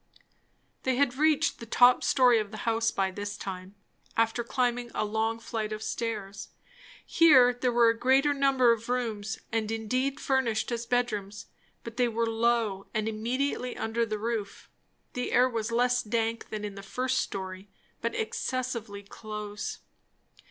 They had reached the top story of the house by this time, after climbing a long flight of stairs. Here there were a greater number of rooms, and indeed furnished as bedrooms; but they were low, and immediately under the roof. The air was less dank than in the first story, but excessively close.